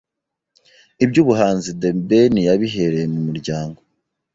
Iby’ubuhanzi The Ben yabihereye mu muryango